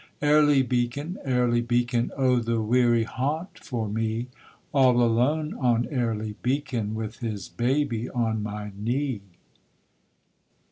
Airly Beacon, Airly Beacon; Oh the weary haunt for me, All alone on Airly Beacon, With his baby on my knee!